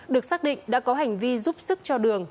được xác định đã có hành vi giúp sức cho đường